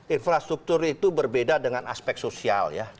infrastruktur itu berbeda dengan aspek sosial ya